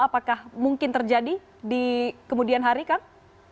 apakah mungkin terjadi di kemudian hari kang